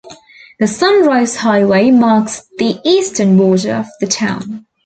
The Sunrise Highway marks the eastern border of the town.